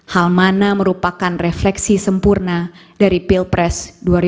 hal mana merupakan refleksi sempurna dari pilpres dua ribu sembilan belas